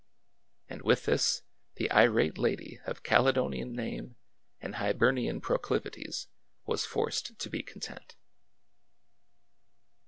And with this the irate lady of Caledonian name and Hibernian proclivities was forced to be content.